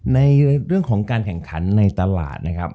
ในเรื่องของการแข่งขันในตลาดนะครับ